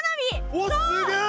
おおすげえ！